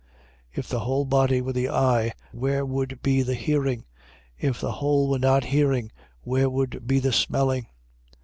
12:17. If the whole body were the eye, where would be the hearing? If the whole were hearing, where would be the smelling?